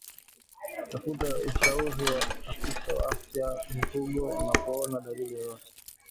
Tafuta ushauri wa afisa wa afya ya mifugo unapoona dalili yoyote